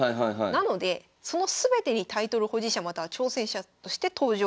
なのでその全てにタイトル保持者または挑戦者として登場。